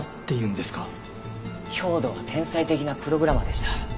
兵働は天才的なプログラマーでした。